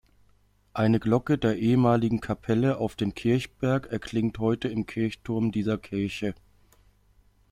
Eine Glocke der ehemaligen Kapelle auf dem Kirchberg erklingt heute im Kirchturm dieser Kirche.